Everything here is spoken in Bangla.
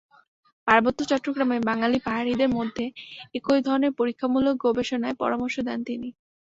পার্বত্য চট্টগ্রামে বাঙালি-পাহাড়িদের মধ্যে একই ধরনের পরীক্ষামূলক গবেষণার পরামর্শ দেন তিনি।